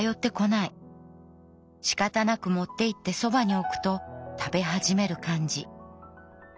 仕方なく持って行ってそばに置くと食べ始める感じ。